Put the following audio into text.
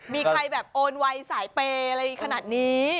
มีใครแบบโอนไวสายเปย์อะไรขนาดนี้